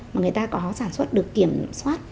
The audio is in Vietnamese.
mà người ta có sản xuất được kiểm soát